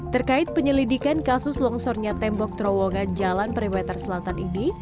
terkait penyelidikan kasus longsornya tembok terowongan jalan perimeter selatan ini